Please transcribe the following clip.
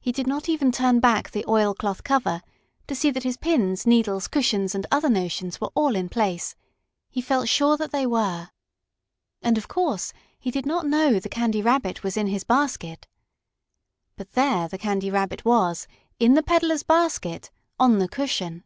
He did not even turn back the oilcloth cover to see that his pins, needles, cushions and other notions were all in place. He felt sure that they were. And of course he did not know the Candy Rabbit was in his basket. But there the Candy Rabbit was, in the peddler's basket, on the cushion.